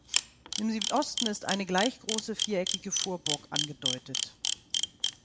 Im Südosten ist eine gleichgroße viereckige Vorburg angedeutet.